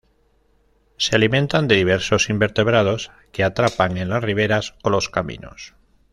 Se alimentan de diversos invertebrados que atrapan en las riberas o los caminos.